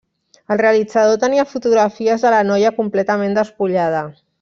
El realitzador tenia fotografies de la noia completament despullada.